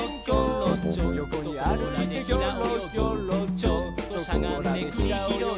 「ちょっとしゃがんでくりひろい」